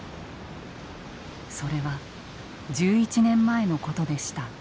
それは１１年前のことでした。